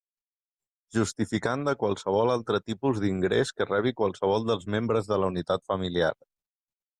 Justificant de qualsevol altre tipus d'ingrés que rebi qualsevol dels membres de la unitat familiar.